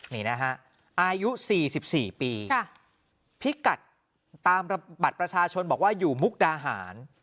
นี่นะฮะอายุ๔๔ปีพิกัดตามบัตรประชาชนบอกว่าอยู่มุกดาหาร